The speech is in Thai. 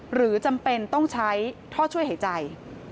หรือจำเป็นต้องใช้ท่อช่วยหายใจ